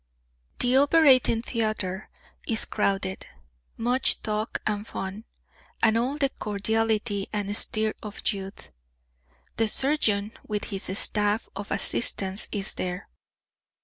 The operating theatre is crowded; much talk and fun, and all the cordiality and stir of youth. The surgeon with his staff of assistants is there.